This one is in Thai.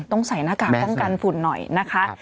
ต้องใส่หน้ากากป้องกันฝุ่นหน่อยนะคะ